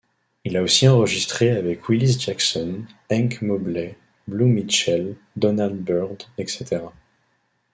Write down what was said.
Il a aussi enregistré avec Willis Jackson, Hank Mobley, Blue Mitchell, Donald Byrd etc.